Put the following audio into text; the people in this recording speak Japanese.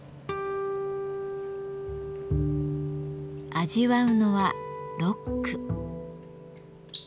味わうのはロック。